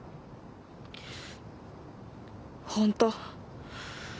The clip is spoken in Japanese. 本当？